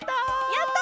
やった！